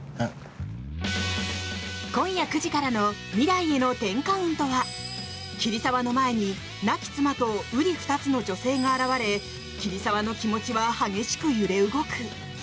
今夜９時からの「未来への１０カウント」は桐沢の前に亡き妻と瓜二つの女性が現れ桐沢の気持ちは激しく揺れ動く。